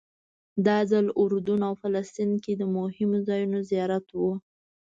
دا ځل اردن او فلسطین کې د مهمو ځایونو زیارت و.